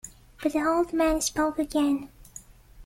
But the old man spoke again.